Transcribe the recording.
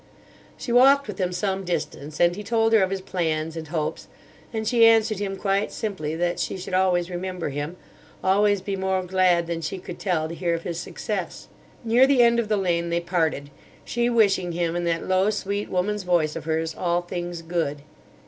She walked with him some distance, and he told her of his plans and hopes; and she answered him quite simply that she should always remember him, always be more glad than she could tell to hear of his success. Near the end of the lane they parted, she wishing him in that low sweet woman's voice of hers all things good.